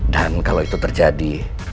dan kalau itu terjadi